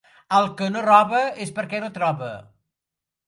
El que no roba és perquè no troba.